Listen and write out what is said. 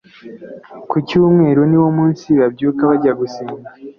Ku cyumweru niwo munsi babyuka bajya gusenga